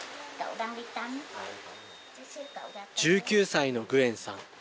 １９歳のグエンさん。